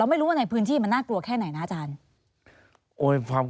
อ่ะเดี๋ยว